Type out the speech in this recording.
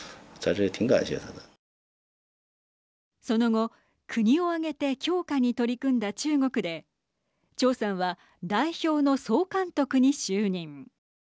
その後、国を挙げて強化に取り組んだ中国で張さんは代表の総監督に就任。